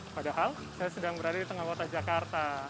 padahal saya sedang berada di tengah kota jakarta